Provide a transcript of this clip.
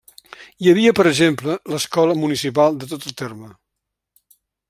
Hi havia, per exemple, l'escola municipal de tot el terme.